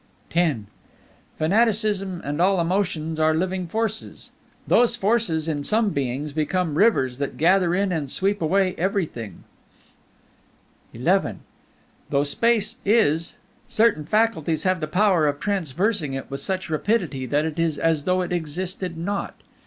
X Fanaticism and all emotions are living forces. These forces in some beings become rivers that gather in and sweep away everything. XI Though Space is, certain faculties have the power of traversing it with such rapidity that it is as though it existed not.